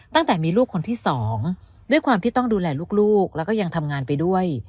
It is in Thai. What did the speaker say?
ตั้งแต่มีลูกคนที่สองด้วยความที่ต้องดูแลลูกแล้วก็ยังทำงานไปด้วย